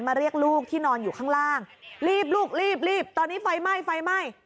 เรียกลูกที่นอนอยู่ข้างล่างรีบลูกรีบรีบตอนนี้ไฟไหม้ไฟไหม้